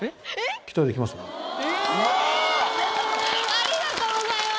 ありがとうございます。